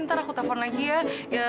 ntar aku telpon lagi ya